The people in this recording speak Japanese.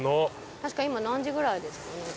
確かに今何時ぐらいですかね？